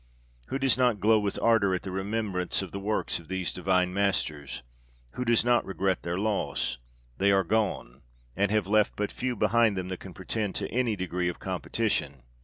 Who does not glow with ardour at the rememberance of the works of these divine masters ? Who does not regret their loss ? they are gone, and have left but few behind them that can pretend to any degree of competition.